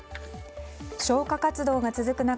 消火活動が続く中